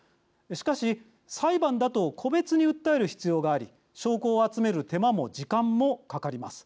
しかし、裁判だと個別に訴える必要があり証拠を集める手間も時間もかかります。